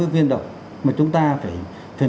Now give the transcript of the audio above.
ước viên đâu mà chúng ta phải